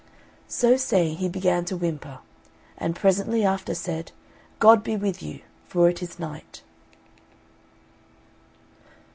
So saying, he began to whimper; and presently after said, "God be with you for it is night!"